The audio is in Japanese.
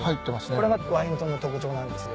これがワイントンの特徴なんですよ。